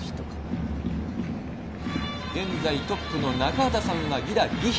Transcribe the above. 現在トップの中畑さんは犠打犠飛。